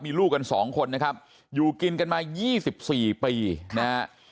มีลูกกันสองคนนะครับอยู่กินกันมา๒๔ปีนะฮะ